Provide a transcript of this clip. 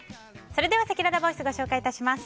それでは、せきららボイスご紹介致します。